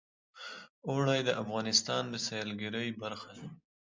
اوړي د افغانستان د سیلګرۍ برخه ده.